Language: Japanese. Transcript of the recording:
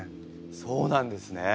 そうなんですね。